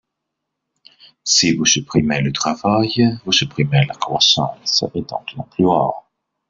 Si vous supprimez le travail, vous supprimez la croissance, et donc l’emploi.